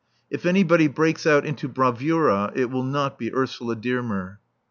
If anybody breaks out into bravura it will not be Ursula Dearmer.